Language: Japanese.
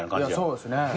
そうですね。